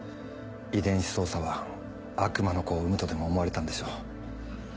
遺伝子操作は悪魔の子を生むとでも思われたんでしょう。